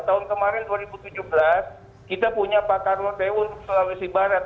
tahun kemarin dua ribu tujuh belas kita punya pak karloteun sulawesi barat